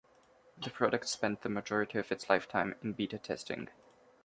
The product spent the majority of its lifetime in beta testing.